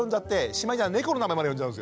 しまいには猫の名前まで呼んじゃうんですよ。